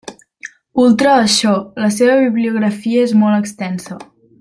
Ultra això, la seva bibliografia és molt extensa.